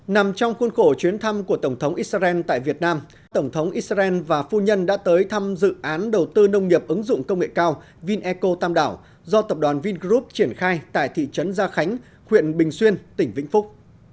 nằm trong khuôn khổ chuyến thăm của tổng thống israel tại việt nam tổng thống israel và phu nhân đã tới thăm dự án đầu tư nông nghiệp ứng dụng công nghệ cao vineco tam đảo do tập đoàn vingroup triển khai tại thị trấn gia khánh huyện bình xuyên tỉnh vĩnh phúc